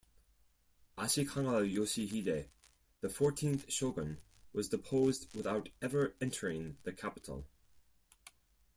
Ashikaga Yoshihide, the fourteenth shogun, was deposed without ever entering the capital.